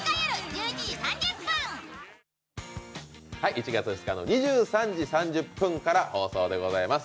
１月２日の２３時３０分から放送でございます。